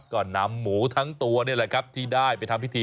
ก็นำหมูทั้งตัวนี่แหละครับที่ได้ไปทำพิธี